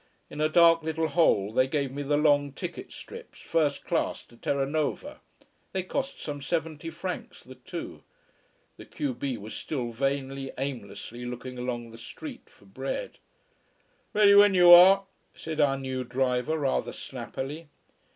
In a dark little hole they gave me the long ticket strips, first class to Terranova. They cost some seventy francs the two. The q b was still vainly, aimlessly looking along the street for bread. "Ready when you are," said our new driver rather snappily.